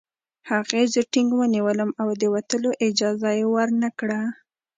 هغې زه ټینګ ونیولم او د وتلو اجازه یې ورنکړه